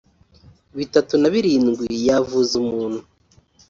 bitatu na birindwi yavuza umuntu